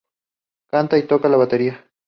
Canta y toca la batería.